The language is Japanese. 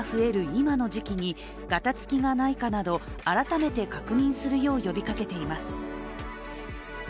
今の時期にがたつきがないかなど、改めて確認するよう呼びかけています。